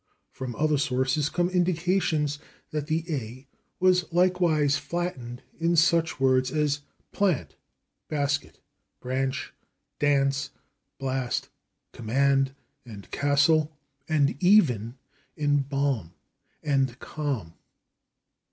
From other sources come indications that the /a/ was likewise flattened in such words as /plant/, /basket/, /branch/, /dance/, /blast/, /command/ and /castle/, and even in /balm/ and /calm